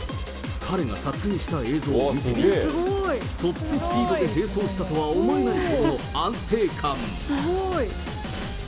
彼が撮影した映像を見てみると、トップスピードで並走したとは思えないほどの安定感。